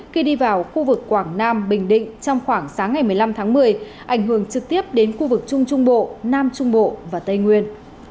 khi đi vào khu vực quảng nam bình định trong khoảng sáng ngày một mươi năm tháng một mươi ảnh hưởng trực tiếp đến khu vực trung trung bộ nam trung bộ và tây nguyên